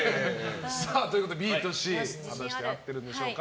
ＢとＣ果たして合ってるんでしょうか。